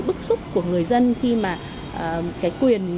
bức xúc của người dân khi mà cái quyền